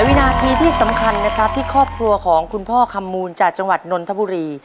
วินาทีที่สำคัญนะครับที่ครอบครัวของคุณพ่อคำมูลจากจังหวัดนนทบุรี